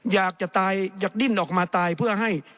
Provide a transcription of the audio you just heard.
อยากจะตายอยากดิ้นออกมาตายเพื่อให้